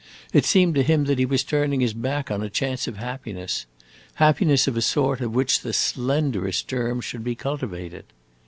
It seemed to him that he was turning his back on a chance of happiness happiness of a sort of which the slenderest germ should be cultivated.